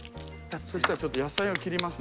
そしたらちょっと野菜を切りますね早速。